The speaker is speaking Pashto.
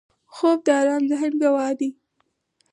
خوب د آرام ذهن ګواه دی